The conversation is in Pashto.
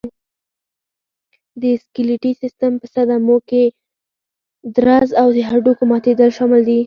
د سکلېټي سیستم په صدمو کې درز او د هډوکو ماتېدل شامل دي.